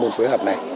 ba môn phối hợp này